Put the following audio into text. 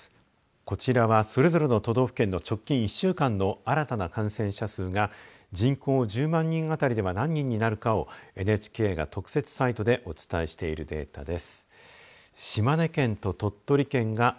こちらはそれぞれの都道府県の直近１週間の新たな感染者数が人口１０万人当たりでは何人になるかをＮＨＫが特設サイトでお伝えしているデータです。